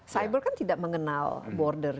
cyber kan tidak mengenal border